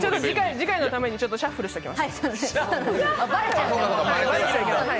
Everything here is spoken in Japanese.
次回のためにシャッフルしときます。